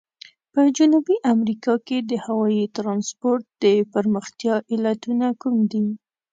په جنوبي امریکا کې د هوایي ترانسپورت د پرمختیا علتونه کوم دي؟